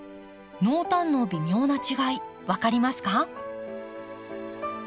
濃淡の微妙な違い分かりますか？